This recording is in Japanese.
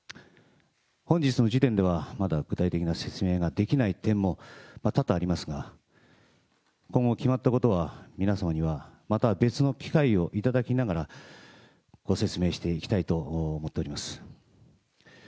本日の時点では、まだ具体的な説明ができない点も多々ありますが、今後、決まったことは皆様にはまた別の機会をいただきながら、ご説明していきたいと思っております。